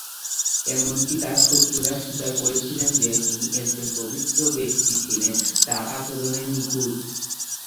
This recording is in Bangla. এমনকি তার শত্রুরা স্বীকার করেছিলেন যে, তিনি একজন পবিত্র ব্যক্তি ছিলেন, তাঁর আচরণে নিখুঁত।